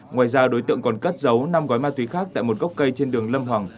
ngoài ra đối tượng còn cất giấu năm gói ma túy khác tại một gốc cây trên đường lâm hoàng